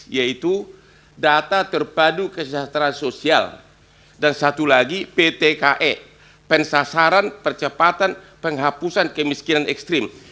yaitu data terpadu kesejahteraan sosial dan satu lagi ptke pensasaran percepatan penghapusan kemiskinan ekstrim